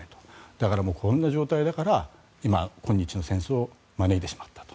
だからこんな状態だから今日の戦争を招いてしまったと。